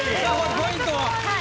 ポイントは？